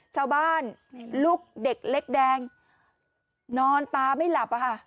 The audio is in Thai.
ชาวบ้านลูกเด็กเล็กแดงนอนตาไม่หลับอะค่ะ